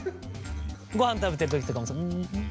ごはん食べてるときとかもん？